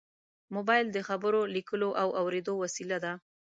موبایل د خبرو، لیکلو او اورېدو وسیله ده.